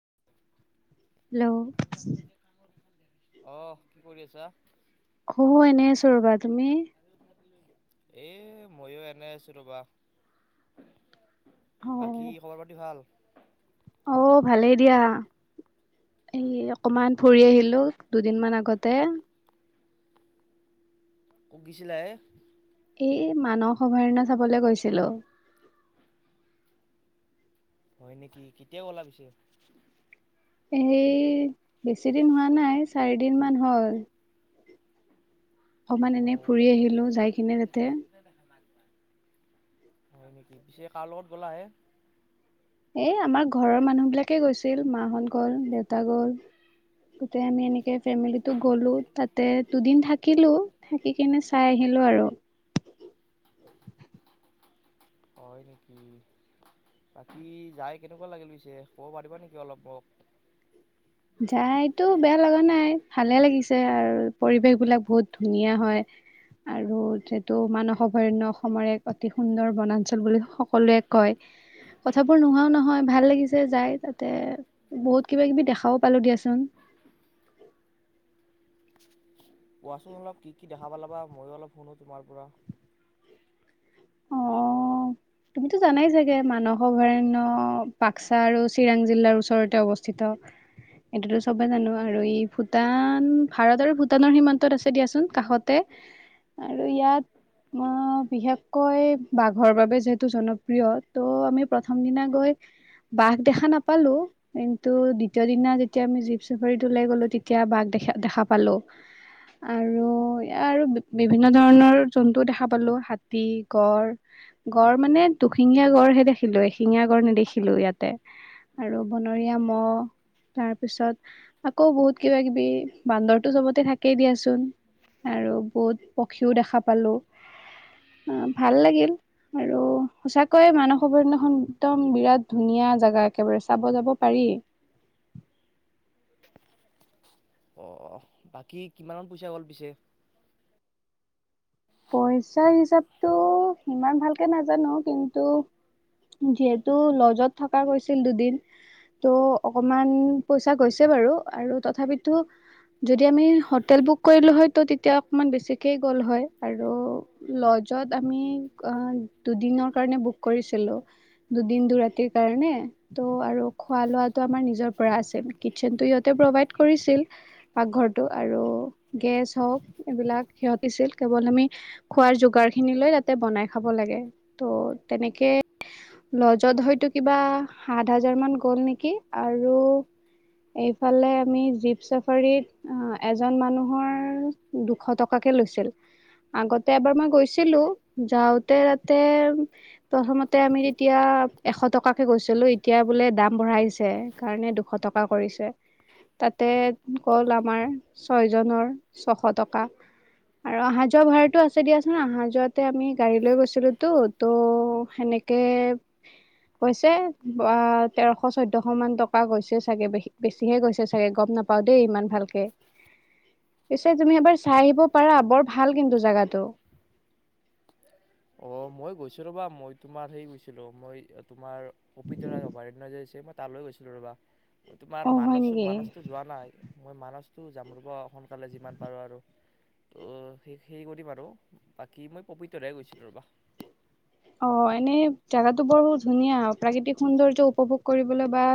Hello? অ'হ কি কৰি আছা? মই অ' এনে আছোঁ ৰবা, তুমি? এ মই এনে আছোঁ ৰবা। বাকী অ' খবৰ পাতি ভাল? অ' ভালেই দিয়া। এই অকমান ফুৰি আহিলোঁ, দুদিন মান আগতে। ক'ত গৈছিলা হে? এই মানস অভয়াৰণ্য চাব লে গৈছিলোঁ। হয় নেকি? কেতিয়া গ'লা পিছে? এই বেছি দিন হোৱা নাই। চাৰিদিন মান হ'ল। অ' অকমাণ এনে ফুৰি আহিলোঁ, যাই কিনে তাতে। হয় নেকি, পিছে কাৰ লগত গ'লাহে এ আমাৰ ঘৰৰ মানুহ বিলাকে গৈছিল। মা হঁত গ'ল, দেউতা গ'ল গোটেই আমি এনেকে ফেমিলি গলোঁ, তাতে দুদিন থাকিলোঁ থাকি কিনে চাই আহিলোঁ আৰু। হয় নেকি। বাকী যাই কেনেকুৱা লাগিল পিছে ক'ব পাৰিবা নেকি অলপ মোক। যাইটো বেয়া লগা নাই। ভালে লাগিছে আৰু, পৰিৱেশ বিলাক বহুত ধুনীয়া হয়, আৰু যিহেতু মানস অভয়াৰণ্য অসমৰে এক অতি সুন্দৰ বনাঞ্চল বুলি সকলোৱে কয়, কথাবোৰ নোহোৱাও নহয়, ভাল লাগিছে যাই তাতে, বহুত কিবা কিবি দেখাও পালো দিয়াচোন। কোৱাচোন অলপ কি কি দেখা পালা মইয়ো অলপ শুনো তোমাৰ পৰা। অ তুমিতো জানাই চাগে মানস অভয়াৰণ্য বাক্সা আৰু চিৰাং জিলাৰ ওচৰতে অৱস্থিত, এইটোতো চবে জানো আৰু ই ভূটান ভাৰত আৰু ভূটানৰ সীমান্তত আছে দিয়াচোন কাষতে আৰু ইয়াত বিশেষকৈ বাঘৰ বাবে যিহেতু। জনপ্ৰিয় ত' আমি প্ৰথম দিনা গৈ বাঘ দেখা নাপালো, কিন্তু দ্বিতীয় দিনা যেতিয়া আমি জীপ চাফাৰী লৈ গলো তেতিয়া বাঘ দেখা দেখা পালো, আৰু আৰু বিভিন্ন ধৰণৰ জন্তু দেখা পালো হাতী, গড় গড় মানে দুশিঙীয়া গড়হে দেখিলো এশিঙীয়া গড় নেদেখিলো ইয়াতে, আৰু বনৰীয়া মহ তাৰ পিছত আকৌ বহুত কিবা কিবি বান্দৰটো চবতে থাকেই দিয়াচোন আৰু বহুত পক্ষীও দেখা পালো ভাল লাগিল। আৰু সচাক কৈ মানস অভয়াৰণ্য খন একদম বিৰাট ধুনীয়া। জেগাত একেবাৰে চাব যাব পাৰি। অ বাকী কিমানত পইচা গ'ল পিছে? পইচাৰ হিচাপতটো সিমান ভালকে নাজানো, কিন্তু যিহেতু লজত থকা গৈছিল দুদিন ত' অকমান পইচা গৈছে বাৰু আৰু তথাপিতো যদি আমি হোটেল বুক কৰিলোঁ হয় ত তেতিয়া অকমান বেছিকেই গ'ল হয়। আৰু লজত আমি দুদিনৰ কাৰণে বুক কৰিছিলোঁ, দুদিন দুৰাতিৰ কাৰণে ত' আৰু খোৱা লোৱাটো আমাৰ নিজৰ পৰা আছিল কিটচেনটো সিহঁতে প্ৰভাইড কৰিছিল পাকঘৰটো আৰু গেছ হওক এইবিলাক সিহঁতি দিছিল। কেৱল আমি খোৱাৰ যোগাৰ খিনি লৈ তাতে বনাই খাব লাগে ত' তেনেকে লজত হয়তো কিবা সাত হাজাৰ মান গ'ল নেকি আৰু এইফালে আমি জীপ চাফাৰীত এজন মানুহৰ দুশ টকাকে লৈছিল। আগতে এবাৰ মই গৈছিলো, যাওঁতে তাতে প্ৰথমতে আমি তেতিয়া এশ টকাকে গৈছিলো, এতিয়া বোলে দাম বঢ়াইছে কাৰণে দুশ টকা কৰিছে তাতে গল আমাৰ ছয়জনৰ ছশ টকা। আৰু অহা যোৱা ভাড়াটো আছে দিয়াচোন অহা যোৱাতে আমি গাড়ী লৈ গৈছিলোতো ত' সেনেকে গৈছে তেৰশ চৈধ্যশ মান টকা গৈছে চাগে বেছিহে গৈছে চাগে গম নাপাওঁ দেই ইমান ভালকে পিছে তুমি এবাৰ চাই আহিব পাৰা বৰ ভাল কিন্তু জেগাটো। অ মই গৈছো ৰ'বা মই তোমাৰ হেই গৈছিলো মই তোমাৰ পবিতৰা অভয়াৰণ্য যে আছে মই তালৈ গৈছিলো ৰবা। তোমাৰ অ হয় মানসো নেকি মানসটো যোৱা নাই। মই মানাহ টো জাম ৰবা সোনকালে যিমান পাৰোঁ আৰু তো সেই সেই কৰিম আৰু বাকী মই পবিতৰা গৈছোঁ। ৰবা অ এনেই জোগাতো বৰ ধুনীয়া প্ৰাকৃতিক সৌন্দৰ্য্য উপভোগ কৰিবলৈ বা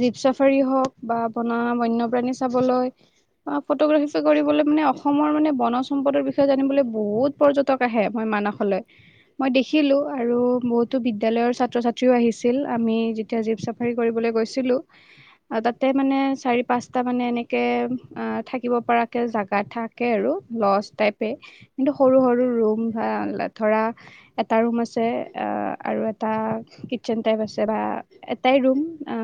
জীপ চাফাৰী হওক বা বনা বন্যপ্ৰাণী চাবলৈ ফটোগ্ৰাফী কৰিবলৈ মানে অসমৰ মানে বন সম্পদৰ বিষয়ে জানিবলৈ বহুত পৰ্যটক আহে মই মানসলৈ। মই দেখিলো আৰু বহুতো বিদ্যালয়ৰ ছাত্ৰ ছাত্ৰীও আহিছিল, আমি যেতিয়া জীপ চাফাৰী কৰিবলৈ গৈছিলো তাতে মানে চাৰি পাঁচটা মানে এনেকে আহ থাকিব পৰাকে জাগা থাকে আৰু লজ টাইপে কিন্তু সৰু সৰু ৰুম বা ধৰা এটা ৰুম আছে আৰু এটা কিটচেন টাইপ আছে বা এটাই ৰুম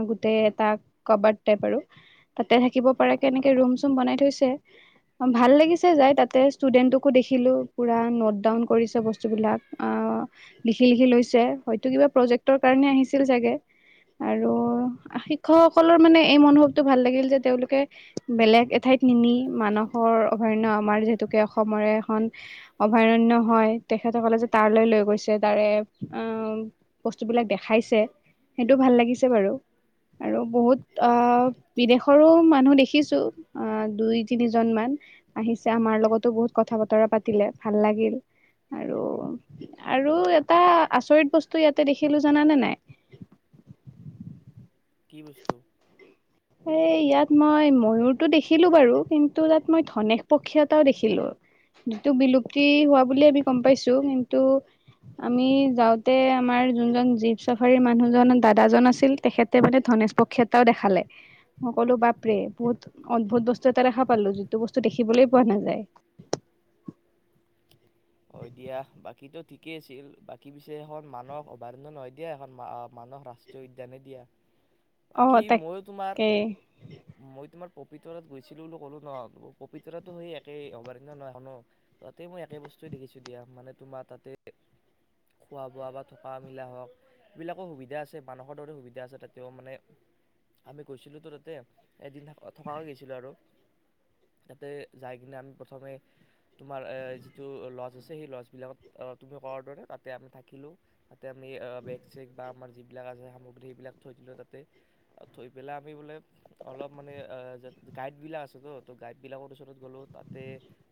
গোটেই এটা কবাৰ্ড টাইপ আৰু তাতে থাকিব পৰাকৈ এনেকে ৰুম চুম বনাই থৈছে ভাল লাগিছে যাই তাতে ষ্টুডেণ্টকো দেখিলো পুৰা নোট ডাউন কৰিছে বস্তুবিলাক। আহ লিখি লিখি লৈছে হয়তো কিবা প্ৰজেক্টৰ কাৰণে আহিছিল চাগে আৰু শিক্ষকসকলৰ মানে এই মনোভৱটো ভাল লাগিল যে তেওঁলোকে বেলেগ এঠাইত নিনি মানসৰ অভয়াৰণ্য আমাৰ যিহেতুকে অসমৰে এখন অভয়াৰণয় হয়। তেখেতসকলে যে তালৈ লৈ গৈছে তাৰে বস্তুবিলাক দেখাইছে সেইটো ভাল লাগিছে বাৰু আৰু বহুত বিদেশৰো মানুহ দেখিছোঁ দুই তিনিজনমান আহিছে আমাৰ লগতো বহুত কথা বতৰা পাতিলে ভাল লাগিল। আৰু আৰু এটা আচৰিত বস্তু ইয়াতে দেখিলো জানানে নাই? কি বস্তু? এ ইয়াত মই ময়ুৰটো দেখিলো বাৰু কিন্তু তাত মই ধনেশ পক্ষী এটাও দেখিলো, যটো বিলুপ্তি হোৱা বুলিয়ে আমি গম পাইছো কিন্তু আমি যাওঁতে আমাৰ যোনজন জীপ চাফাৰীৰ মানুহজন দাদাজন আছিল তেখেতে মানে ধনেশ পক্ষী এটাও দেখালে। সকলো বাপৰে বহুত অদ্ভুত বস্তু এটা দেখা পালো যিটো বস্তু দেখিবলৈ পোৱা নাযায়। অ দিয়া বাকী ত ঠিকেই আছিল বাকী পিছে এখন মানস অভয়াৰণ্যৰ নহয় দিয়া এখন মানস ৰাষ্ট্ৰীয় উদ্যানে দিয়া। অ বাকী মইয়ো তোমাৰ তাকে মই তোমাৰ পবিতৰাত গৈছিলো বুলি কলো ন পবিতৰা তো সেই একেই অভয়াৰাণ্য নহয় ন তাতেই মই একে বস্তু চৈ দেখিছোঁ দিয়া মানে তোমাৰ তাতে খোৱা বোৱা বা থকা মেলা হওক এইবিলাকো সুবিধা আছে মানুহৰ দৰে সুবিধা আছে তাতেও মানে আমি গৈছিলোঁতো তাতে এদিন থ থক গৈছিলোঁ আৰু তাতে যাই কিনে আমি প্ৰথমে তোমাৰ যিটো লজ আছে সেই লজবিলাকত তুমি কৰাৰ দৰে তাতে আমি থাকিলোঁ, তাতে আমি বেগ চেগ বা আমাৰ যিবিলাক আছে সামগ্ৰী সেইবিলাক থৈ দিলোঁ তাতে থৈ পেলাই আমি বোলে অলপ মানে গাইডবিলাক আছেতো তো গাইডবিলাকৰ ওচৰত গ'লোঁ তাতে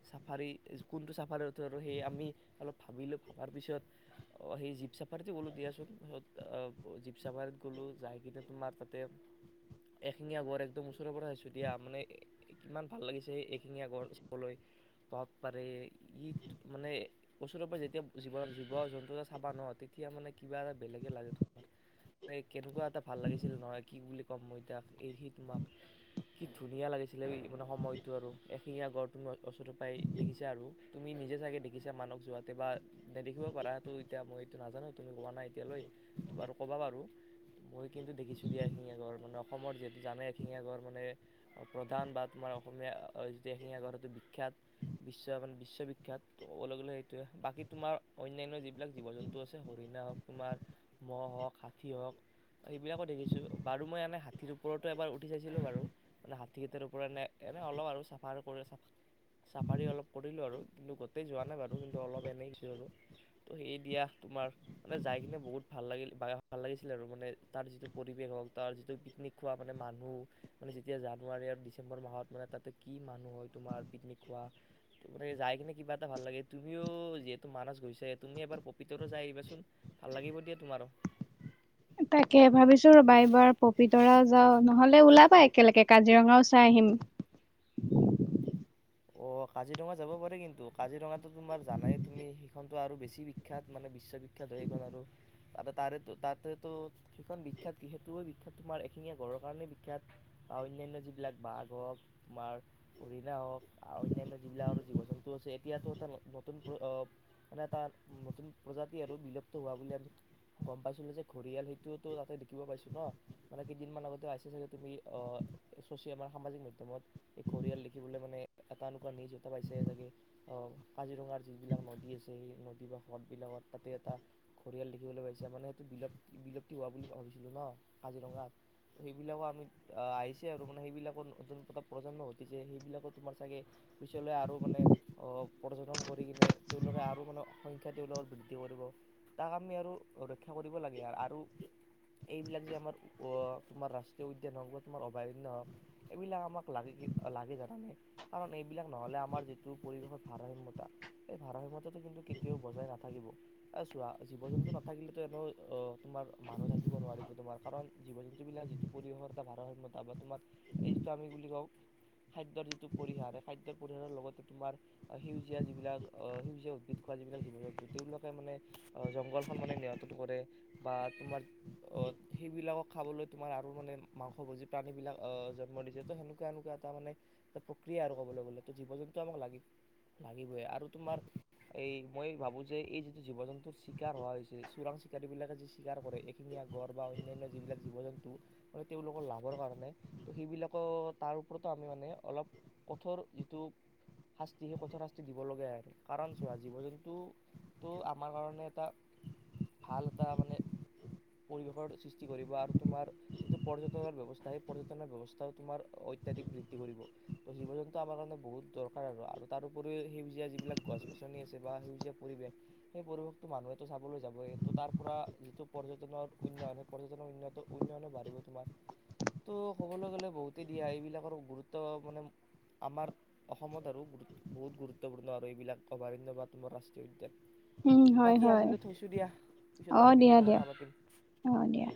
চাফাৰী কোনটো চাফ চাফাৰ উঠো আৰু সেই আমি অলপ ভাবিলোঁ ভাবাৰ পিছত সেই জীপ চাফাৰীটো গ'লোঁ দিয়াচোনছ জীপ চাফাৰীত গ'লোঁ যাই কিনে তোমাৰ তাতে এশিঙীয়া গঁড় একদম ওচৰৰ পৰা আহিছোঁ দিয়া মানে কিমান ভাল লাগিছে সেই এশিঙীয়া গঁড় চাবলৈ পাব পাৰে। মানে ওচৰৰ পৰাই যেতিয়া জীৱ জীৱ জন্তু এটা চাবা ন তেতিয়া মানে কিবা এটা বেলেগে লাগে তোমাৰ কেনেকুৱা এটা ভাল লাগিছিল নহয় কি বুলি ক'ম মই এতিয়া এই সি তোমাক কি ধুনীয়া লাগিছিলে মানে সময়টো আৰু এখিঙীয়া গড় তুমি ওচৰৰ পৰাই দেখিছা আৰু তুমি নিজে চাগে দেখিছা মানস যোৱাতে বা নেদেখিব পাৰাটো এতিয়া মই এইটো নাজানো তুমি কোৱা নাই এতিয়ালৈ বাৰু ক'বা পাৰু মই কিন্তু দেখিছোঁ দিয়া এশিঙীয়া গঁড়ৰ মানে অসমৰ যিহেতু জানে এশিঙীয়া গঁড়ৰ মানে প্ৰধান বা তোমাৰ অসমীয়া যি এশিঙীয়া গঁড়ৰ সেইটো বিখ্যাত বিশ্ব মানে উচ্চবিখ্যাত ক'বলৈ গ'লে সেইটোৱে বাকী তোমাৰ অন্যান্য যিবিলাক জীৱ জন্তু আছে হৰিণা হওক তোমাৰ মহ হওক হাতী হওক সেইবিলাকো দেখিছোঁ বাৰু মই এনে হাতীৰ ওপৰতো এবাৰ উঠি চাইছিলোঁ বাৰু মানে হাতীকেইটাৰ ওপৰতনে এনেই অলপ আৰু চাফাৰ কৰি চাফ চাফাৰী অলপ কৰিলোঁ। আৰু কিন্তু গোটেই যোৱা নাই বাৰু কিন্তু অলপ এনেই আৰু তো সেইদিয়া তোমাৰ মানে যাই কিনে বহুত ভাল লাগিল ভাল লাগিছিলে আৰু মানে তাৰ যিটো পৰিৱেশ হওক তাৰ যিটো পিকনিক খোৱা মানে মানুহ মানে যেতিয়া জানুৱাৰী আৰু ডিচেম্বৰ মাহত মানে তাতে কি মানুহ হয় তোমাৰ পিকনিক খোৱা মানে কিবা এটা ভাল লাগে তুমিও যিহেতু মানস গৈছা তুমি এবাৰ পবিতৰা যাই আহিবাচোন ভাল লাগিব দিয়া তোমাৰো। তাকে ভাবিছো। চল ৰবাইবাৰ পপিতৰা যাও নহ'লে ওলা বৈ একেলগে কাজিৰঙাও চাই আহিম। অ, কাজিৰঙা যাব পাৰি কিন্তু কাজিৰঙাটো তোমাৰ জানাই তুমি সেইখনতো আৰু বেছি বিখ্যাত মানে বিশ্ববিখ্যাত হয়। সেইখন আৰু তাদা তাৰেতো তাতেতো সেইখন বিখ্যাত কি সেইটোৱে বিখ্যাত তোমাৰ এশিঙীয়া গঁড়ৰ কাৰণেই বিখ্যাত বা অন্যান্য যিবিলাক বাঘ হওক তোমাৰ হৰিণা হওক। আৰু অন্যান যিবিলাক আৰু জীৱ জন্তু আছে, এতিয়াতো এটা নতু নতুন প্ৰ আহ মানে এটা নতুন প্ৰজাতি আৰু বিলুপ্ত হোৱা বুলি আমি গম পাইছিলো যে ঘৰিয়াল সেইটোৱেটো তাতে দেখিব পাইছো ন, মানে কেইদিনমান আগতে আহিছা চাগে তুমি আহ চচিয়েল আমাৰ সামাজিক মাধ্যমত এই ঘৰিয়াল দেখিবলৈ মানে এটা এনেকুৱা নিজ এত পাইছে চাগে, অ কাজিৰঙাৰ যিবিলাক নদী আছে। সেই নদী বা সদবিলাকত তাতে এটা ঘৰিয়াল দেখিবলৈ পাইছে মানে সেইটো বিলত বিলুপ্তি হোৱা বুলি ভাবিছিলোঁ ন কাজিৰঙাত। সেইবিলাকো আমি আহিছে আৰু মানে সেইবিলাকৰ নতুন এটা প্ৰজন্ম ঘটিছে সেইবিলাকত তোমাৰ চাগে, পিছলৈ আৰু মানে অ অ পৰ্যটন কৰি কিনে তেওঁলোকে আৰু মানে সংখ্যা তেওঁলোকৰ বৃদ্ধি কৰিব। তাক আমি আৰু ৰক্ষা কৰিব লাগে আৰু এইবিলাক যে আমাৰ অ তোমাৰ ৰাষ্ট্ৰীয় উদ্যান হওক বা তোমাৰ অভয়াৰণ্য হওক, এইবিলাক আমাক লাগে কি লাগে জানেনে কাৰণ এইবিলাক নহলে আমাৰ যিটো পৰিৱেশৰ ভাৰসাম্যতা এই ভাৰসাম্যতাটো কিন্তু কেতিয়াও বজাই নাথাকিব। এই চোৱা, জীৱ জন্তু নাথাকিলেতো এনেও এ তোমাৰ মানুহ থাকিব নোৱাৰিব। তোমাৰ কাৰণ জীৱ-জন্তুবিলাক যিটো পৰিৱেশৰ এটা ভাৰসাম্যতা বা তোমাৰ এই যিটো আমি বুলি কওঁ খাদ্যৰ যি তোক পৰিহাৰ, খাদ্য পৰিহাৰৰ লগতে তোমাৰ সেউজীয়া যিবিলাক আহ সেউজীয়া উদ্ভিদ খোৱা যিবিলাক জীৱ-জন্তু তেওঁবিলাকে মানে আহ জংগলখন মানে নিয়ন্ত্ৰণ কৰে বা তোমাৰ আহ সেইবিলাকক খাবলৈ তোমাৰ আৰু মানে মাংস ভোজী প্ৰাণীবিলাক আহ জন্ম দিছে ত সেনেকুৱা এনেকুৱা এটা মানে এটা প্ৰক্ৰিয়া আৰু ক'বলৈ গ'লে ত জীৱ-জন্তু আমাক লাগি লাগিবই আৰু তোমাৰ এই মই ভাবো যে এই যিটো জীৱ-জন্তুৰ চিকাৰ হোৱা হৈছে চোৰাং-চিকাৰীবিলাকে যি চিকাৰ কৰে, এইখিনি আগৰ বা অন্যান্য যিবিলাক জীৱ-জন্তু মানে তেওঁলোকৰ লাভৰ কাৰণে ত' সেইবিলাকৰ তাৰ ওপৰতো আমি মানে অলপ কঠোৰ যিটো শাস্তি, সেই কঠোৰ শাস্তি দিবলগীয়া হয়। কাৰণ চোৱা জীৱ-জন্তুটো আমাৰ কাৰণে এটা ভাল এটা মানে পৰিৱেশৰ সৃষ্টি কৰিব, আৰু তোমাৰ যিটো পৰ্যটনৰ ব্যৱস্থা সেই পৰ্যটনৰ ব্যৱস্থা তোমাৰ অত্যাধিক বৃদ্ধি কৰিব। ত জীৱ-জন্তু আমাৰ কাৰণে বহুত দৰকাৰ আৰু তাৰো উপৰিও সেউজীয়া যিবিলাক গছ-গছনি আছে বা সেউজীয়া পৰিৱেশ, সেই পৰিৱেশটো মানুহেতো চাবলৈ যাবই ত' তাৰ পৰা যিটো পৰ্যটনৰ উন্নয়ন সেই পৰ্যটনৰ উন্নয়নো বাঢ়িব তোমাৰ ত' ক'বলৈ গলে বহুতেই দিয়া এইবিলাকৰ গুৰুত ত্ব মানে আমাৰ অসমত আৰু গুৰুত্ব বহুত গুৰুত্বপূৰ্ণ আৰু এইবিলাক অভয়াৰণ্য বা তোমাৰ ৰাষ্ট্ৰীয় উম উদ্যান হয় বাকী হয় আজিলৈ থৈছো দিয়া অ পিছত আৰু দিয়া কেতিয়াবা দিয়া কথা পাতিম অ অ।